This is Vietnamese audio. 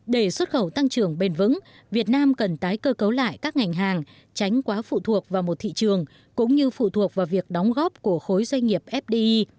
để xuất khẩu tăng trưởng bền vững việt nam cần tái cơ cấu lại các ngành hàng tránh quá phụ thuộc vào một thị trường cũng như phụ thuộc vào việc đóng góp của khối doanh nghiệp fdi